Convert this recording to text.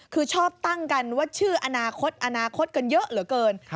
คือชอบตั้งกันว่าชื่ออนาคตอนาคตกันเยอะเหลือเกิน